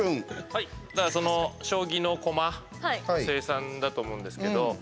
はい、だから将棋の駒の生産だと思うんですけど。